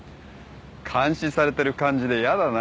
監視されてる感じで嫌だな。